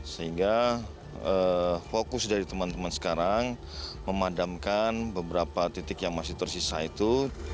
sehingga fokus dari teman teman sekarang memadamkan beberapa titik yang masih tersisa itu